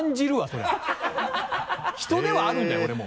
それは人ではあるんだよ俺も。